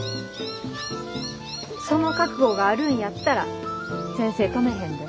その覚悟があるんやったら先生止めへんでな。